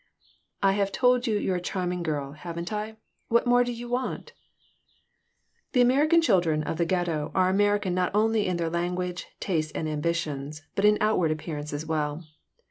"I have told you you're a charming girl, haven't I? What more do you want?" The American children of the Ghetto are American not only in their language, tastes, and ambitions, but in outward appearance as well.